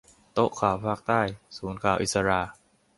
โต๊ะข่าวภาคใต้ ศูนย์ข่าวอิศรา